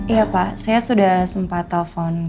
iya pak saya sudah sempat telepon kantornya pak amar